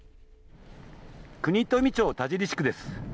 国富町田尻地区です。